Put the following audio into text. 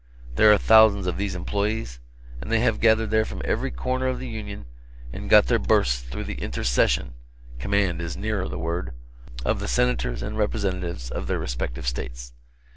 There are thousands of these employees, and they have gathered there from every corner of the Union and got their berths through the intercession (command is nearer the word) of the Senators and Representatives of their respective States.